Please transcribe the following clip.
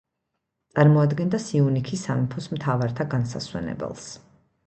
წარმოადგენდა სიუნიქის სამეფოს მთავართა განსასვენებელს.